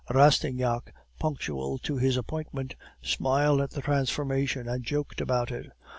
"Rastignac, punctual to his appointment, smiled at the transformation, and joked about it.